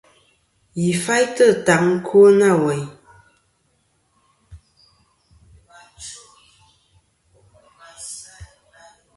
Yi faytɨ taŋ ɨkwo nâ weyn.